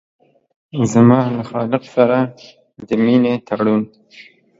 زما له خالق سره د مينې تړون